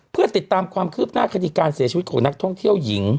เพื่อติดตามความคืบหน้าคดีการเสียชีวิตของนักท่องเที่ยวหญิง